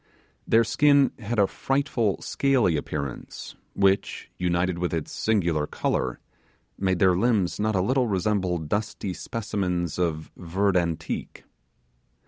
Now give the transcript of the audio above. Their skin had a frightful scaly appearance, which, united with its singular colour, made their limbs not a little resemble dusty specimens of verde antique.